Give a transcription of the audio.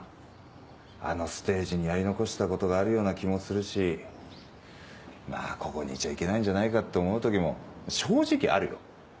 あのステージにやり残したことがあるような気もするしまぁここにいちゃいけないんじゃないかって思う時も正直あるよ。